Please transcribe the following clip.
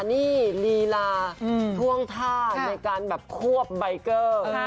นี่ลีลาท่วงท่าในการแบบควบใบเกอร์